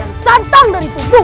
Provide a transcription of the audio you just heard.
ketika kau mengajak aku menyalurkan